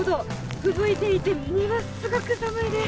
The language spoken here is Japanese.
ふぶいていて、ものすごっく寒いです。